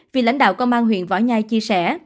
vì lãnh đạo công an huyện võ nhai chia sẻ